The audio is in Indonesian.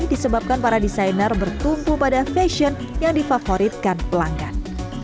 disebabkan para desainer bertumpu pada fashion yang difavoritkan pelanggan